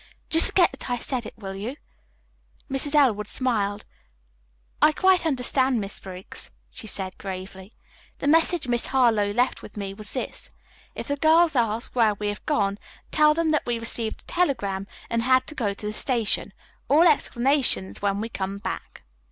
Just forget that I said it, will you?" Mrs. Elwood smiled. "I quite understand, Miss Briggs," she said gravely. "The message Miss Harlowe left with me was this: 'If the girls ask where we have gone, tell them that we received a telegram and had to go to the station. All explanations when we come back.'"